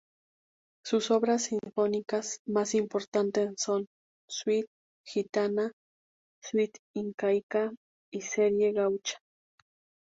Sus obras sinfónicas más importantes son "Suite Gitana", "Suite Incaica" y "Serie Gaucha".